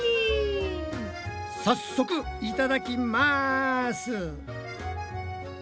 早速いただきます！